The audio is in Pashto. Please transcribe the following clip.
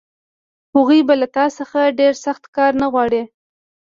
هغوی به له تا څخه ډېر سخت کار نه غواړي